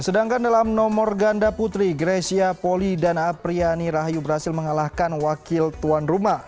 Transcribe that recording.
sedangkan dalam nomor ganda putri grecia poli dan apriyani rahayu berhasil mengalahkan wakil tuan rumah